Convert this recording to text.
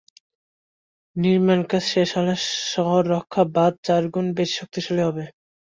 নির্মাণকাজ শেষ হলে শহর রক্ষা বাঁধ চার গুণ বেশি শক্তিশালী হবে।